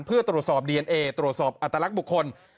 เพื่อตรวจสอบดีเอนเอตรวจสอบอัตลักษณ์บุคคล